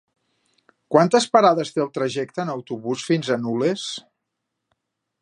Quantes parades té el trajecte en autobús fins a Nulles?